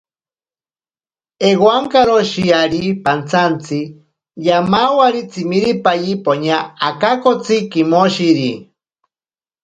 Ewankaroshi ami pantsantsi, yamawari tsimiripaye poña akakotsi kimoshiri.